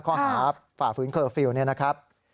ข้อหาฝ่าฝืนเคอร์ฟิลล์นี้นะครับ